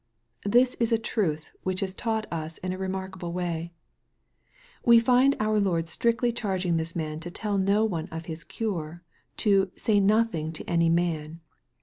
This is a truth which is taught us in a remarkable way. We find our Lord strictly charging this man to tell no one of his cure, to " say nothing to any man."